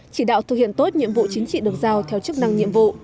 chỉ đạo thực hiện tốt nhiệm vụ chính trị được giao theo chức năng nhiệm vụ